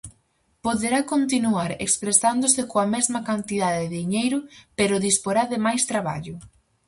Poderá continuar expresándose coa mesma cantidade de diñeiro, pero disporá de máis traballo.